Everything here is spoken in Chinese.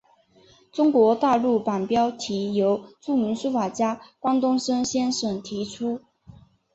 中国大陆版标题由著名书法家关东升先生提写。